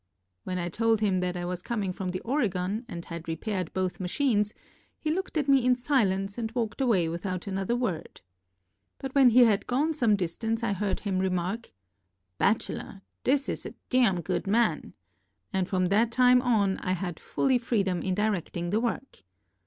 When I told him that I was coming from the Oregon and had re paired both machines, he looked at me in silence and walked away without another word. But when he had gone some dis tance I heard him remark : "Batchellor, this is a d — n good man," and from that time on I had full freedom in directing the work.